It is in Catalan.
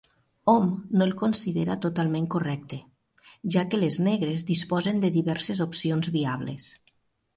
Hom no el considera totalment correcte, ja que les negres disposen de diverses opcions viables.